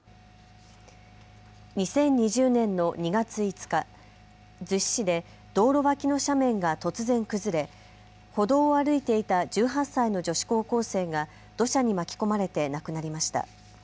２０２０年の２月５日、逗子市で道路脇の斜面が突然崩れ歩道を歩いていた１８歳の女子高校生が土砂に巻き込まれて亡くなりました。